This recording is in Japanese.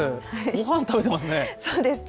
ご飯食べてますね。